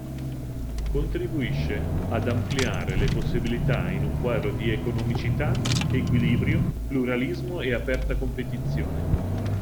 Contribuisce ad ampliare le possibilità in un quadro di economicità, equilibrio, pluralismo e aperta competizione.